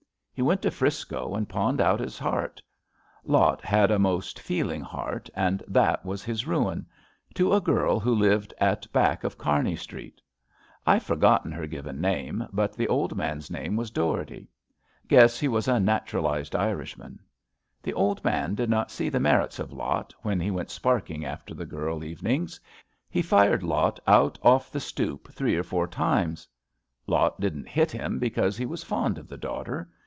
He went to 'Frisco and pawned out his heart— Lot had a most 40 ABAFT THE FUNNEL feeling heart, and that was his ruin — to a girl who lived at back of Kearney Street. IVe for gotten her given name, but the old man's name was Dougherty. Guess he was a naturalised Irishman. The old man did not see the merits of Lot when he went sparking after the girl even ings. He fired Lot out off the stoop three or four times. Lot didn't hit him because he was fond of the daughter.